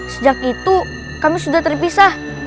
sejak itu kami sudah terpisah